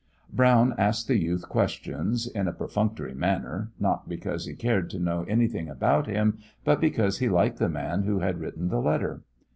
Brown asked the youth questions, in a perfunctory manner, not because he cared to know anything about him, but because he liked the man who had written the letter.